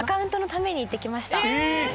え！